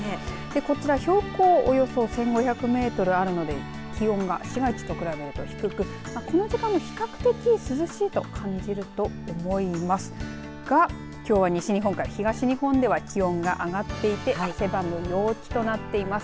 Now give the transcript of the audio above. こちら標高およそ１５００メートルあるので気温が市街地と比べると低くこの時間も比較的涼しいと感じると思いますがきょうは西日本から東日本気温が上がっていて汗ばむ陽気となっています。